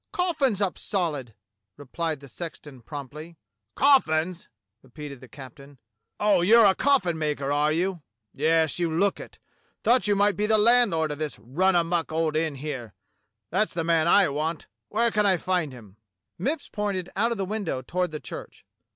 " Coffins up solid," replied the sexton promptly. |( "Coffins!" repeated the captain. "Oh, you're a coffin maker, are you.^ Yes, you look it. Thought you might be the landlord of this run amuck old inn here. That's the man I want. \Miere can I find him.^" Mipps pointed out of the window toward the church.